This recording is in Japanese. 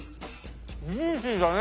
ジューシーだね。